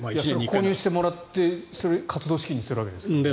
購入してもらって活動資金にするわけですからね。